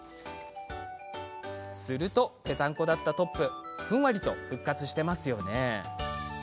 すると、ぺたんこだったトップがふんわり復活していますよね。